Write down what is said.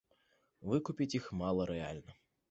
Выкупіць іх мала рэальна.